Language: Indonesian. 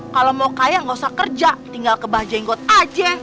kalau mau kaya gak usah kerja tinggal ke bajenggot aja